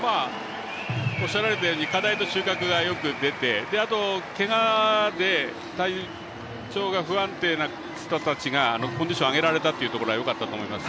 おっしゃられたように課題と収穫がよく出てけがで体調が不安定な人たちがコンディションを上げられたというところはよかったと思います。